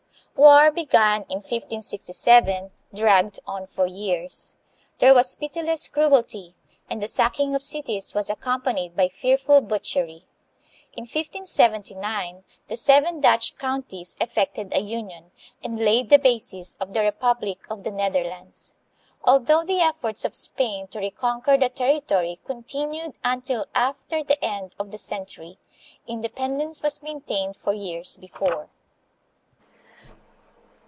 War, begun in 1567, dragged on for years. There was pitiless cruelty, and the sacking of cities was accompanied by fearful butchery. In 1579 the seven Dutch counties THE DUTCH AND MORO WARS. 1600 1663. 189 effected a union and laid the basis of the republic of the Netherlands. Although the efforts of Spain to reconquer the territory continued until after the end of the cen tury, independence was maintained for years before.